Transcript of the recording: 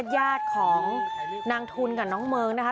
ญาติของนางทุนกับน้องเมิงนะคะ